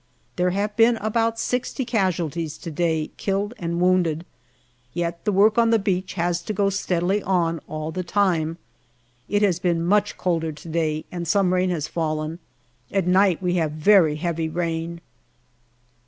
There have been about sixty casualties to day, killed and wounded. Yet the work on the beach has to go steadily on all the time. It has been much colder to day, and some rain has fallen. At night we have very heavy rain.